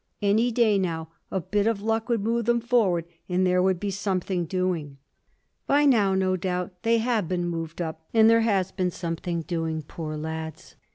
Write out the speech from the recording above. Any day now a bit of luck would move them forward, and there would be something doing. By now, no doubt, they have been moved up and there has been something doing. Poor lads!